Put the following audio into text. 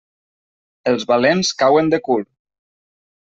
Els valents cauen de cul.